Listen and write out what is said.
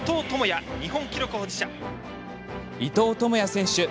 伊藤智也選手。